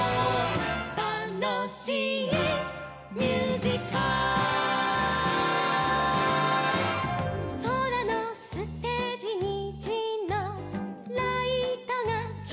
「たのしいミュージカル」「そらのステージにじのライトがきらりん」